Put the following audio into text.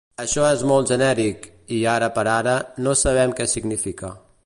Això és molt genèric i, ara per ara, no sabem què significa.